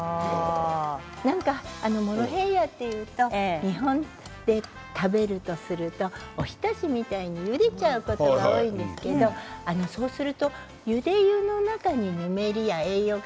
なんかモロヘイヤというと日本で食べるとするとお浸しみたいにゆでちゃうことが多いんですけどそうするとゆで湯の中にぬめりや栄養が